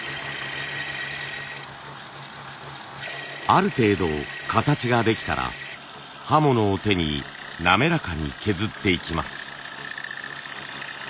ある程度形ができたら刃物を手に滑らかに削っていきます。